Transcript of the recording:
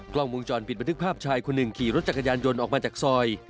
กล้องวงจรปิดบันทึกภาพชายคนหนึ่งขี่รถจักรยานยนต์ออกมาจากซอย